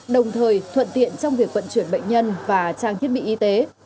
đồng thời thuận tiện trong việc vận chuyển bệnh nhân và trang thiết bị y tế